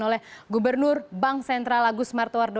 oleh gubernur bank sentral agus martowardo